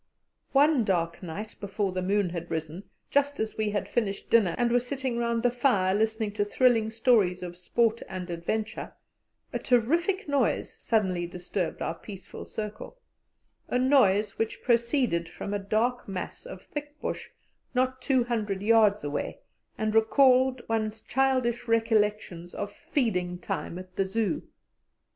One dark night before the moon had risen, just as we had finished dinner and were sitting round the fire listening to thrilling stories of sport and adventure, a terrific noise suddenly disturbed our peaceful circle a noise which proceeded from a dark mass of thick bush not 200 yards away, and recalled one's childish recollections of "feeding time" at the Zoo.